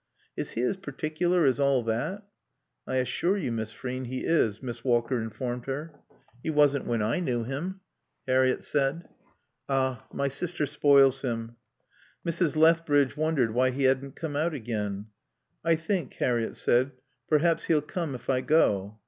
"Is he as particular as all that?" "I assure you, Miss Frean, he is," Miss Walker informed her. "He wasn't when I knew him," Harriett said. "Ah my sister spoils him." Mrs. Lethbridge wondered why he hadn't come out again. "I think," Harriett said, "perhaps he'll come if I go."